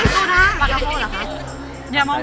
ปลากะโฮเหรอคะ